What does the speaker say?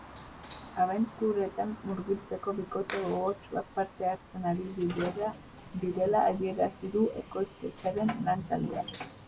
Abenturetan murgiltzeko bikote gogotsuak parte hartzen ari direla adierazi du ekoiztetxearen lan-taldeak.